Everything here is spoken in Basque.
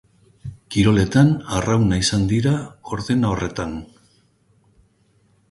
Kiroletan, arrauna izan dira, ordena horretan.